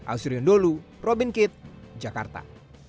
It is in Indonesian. ausriun dholu robin kit jakarta